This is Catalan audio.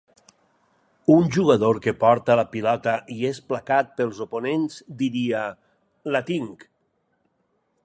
Un jugador que porta la pilota i és placat pels oponents diria: "La tinc!"